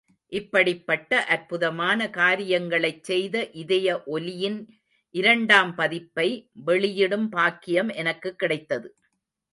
இப்படிப்பட்ட அற்புதமான காரியங்களைச் செய்த இதய ஒலியின் இரண்டாம் பதிப்பை வெளியிடும் பாக்கியம் எனக்குக் கிடைத்தது.